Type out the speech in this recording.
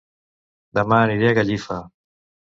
Dema aniré a Gallifa